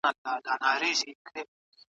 تېر کال هغې هيڅ شکایت ونکړ.